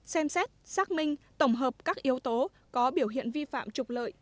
xem xét xác minh tổng hợp các yếu tố có biểu hiện vi phạm trục lợi